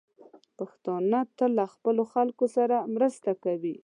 پښتانه تل له خپلو خلکو سره مرسته کوي.